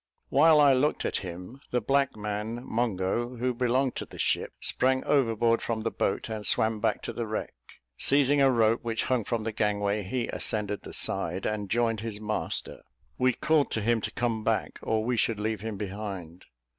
While I looked at him, the black man, Mungo, who belonged to the ship, sprang overboard from the boat, and swam back to the wreck. Seizing a rope which hung from the gangway, he ascended the side, and joined his master. We called to him to come back, or we should leave him behind.